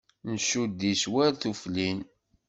Ncudd-itt war tuflin.